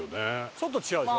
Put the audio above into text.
ちょっと違うでしょ。